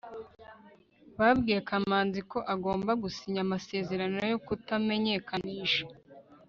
babwiye kamanzi ko agomba gusinya amasezerano yo kutamenyekanisha